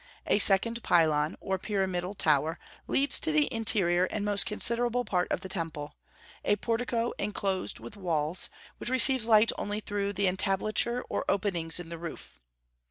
A second pylon, or pyramidal tower, leads to the interior and most considerable part of the temple, a portico inclosed with walls, which receives light only through the entablature or openings in the roof.